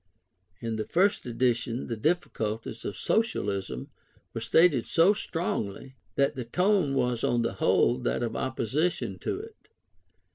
In the first edition the difficulties of Socialism were stated so strongly, that the tone was on the whole that of opposition to it.